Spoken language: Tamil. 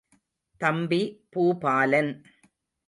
தம்பி பூபாலன்!